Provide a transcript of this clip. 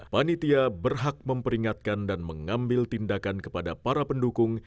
panitia berhak memperingatkan dan mengambil tindakan kepada para pendukung